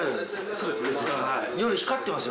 そうです。